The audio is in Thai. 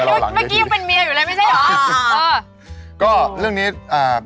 หน้ายังงี้เล่นบทอื่นได้หรอแม่